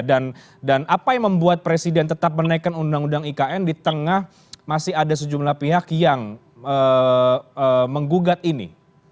dan apa yang membuat presiden tetap menaikkan undang undang ikn di tengah masih ada sejumlah pihak yang menggugat ini